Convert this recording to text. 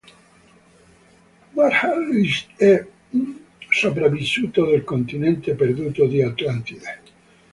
Mark Harris è un sopravvissuto del continente perduto di Atlantide.